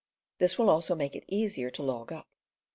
This will also make it easier to log up.